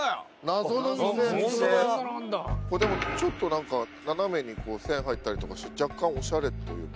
「謎の店」でもちょっとなんか斜めに線入ったりとかして若干オシャレというか。